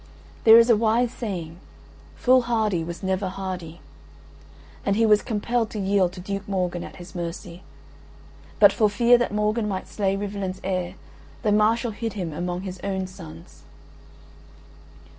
There is a wise saying: "Fool hardy was never hardy," and he was compelled to yield to Duke Morgan at his mercy: but for fear that Morgan might slay Rivalen's heir the Marshal hid him among his own sons.